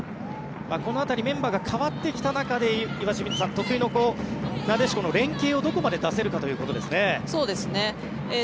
この辺りメンバーが変わってきた中で岩清水さん得意のなでしこの連係をどこまで出せるかということですね。